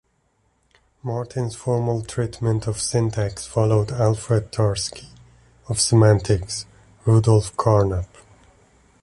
Martin's formal treatment of syntax followed Alfred Tarski; of semantics, Rudolf Carnap.